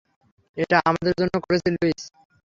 এটা আমাদের জন্য করেছি লুইস।